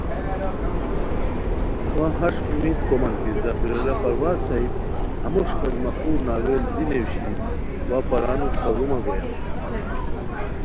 اوا ہݰ اُمید کومان کی ظفراللہ پروازؔ صاحب ہموݰ قسمہ خور ناول دی نیویشیر وا پرانو کاڑومہ گویان